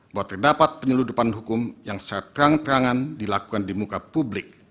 bahwa terdapat penyeludupan hukum yang seterang terangan dilakukan di muka publik